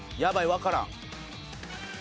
わからん。